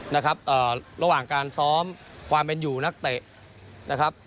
นะครับเอ่อระหว่างการซ้อมความเป็นอยู่นักเตะนะครับ